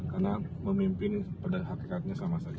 karena memimpin pada hakikatnya sama saja